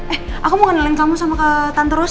eh aku mau kenalin kamu sama ke tante rosa